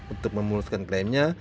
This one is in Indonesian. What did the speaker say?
untuk memuluskan klaimnya